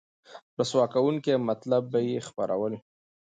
رسوا کوونکي مطالب به یې خپرول